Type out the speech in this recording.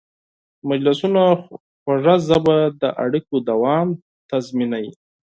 د مجلسونو خوږه ژبه د اړیکو دوام تضمینوي.